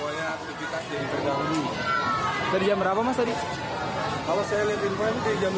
kalau saya lihat info ini kayak jam lima tapi saya melihat kereta jam jam